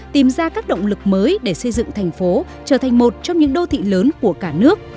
tìm ra các động lực mới để xây dựng thành phố trở thành một trong những đô thị lớn của cả nước